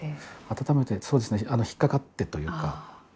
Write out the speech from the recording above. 温めて、そうですね引っ掛かってというか。